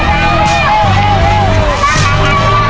เร็วเร็วเร็ว